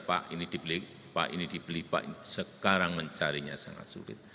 pak ini dibeli pak ini dibeli pak sekarang mencarinya sangat sulit